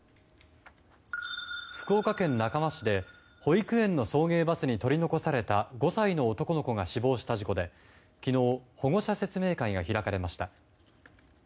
福岡県中間市で保育園の送迎バスに取り残された５歳の男の子が死亡した事故で昨日、保護者説明会が開かれました。